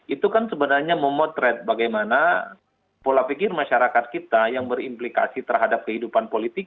itu kan sebenarnya memotret bagaimana pola pikir masyarakat kita yang berimplikasi terhadap kehidupan politik